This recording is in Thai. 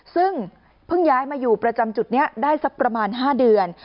ซึ่งเพิ่งย้ายมาอยู่ประจำจุดนี้ได้สักประมาณ๕เดือน